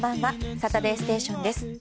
「サタデーステーション」です。